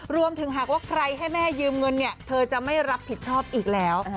หากว่าใครให้แม่ยืมเงินเนี่ยเธอจะไม่รับผิดชอบอีกแล้ว